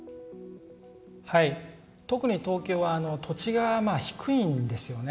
特に東京は土地が低いんですよね。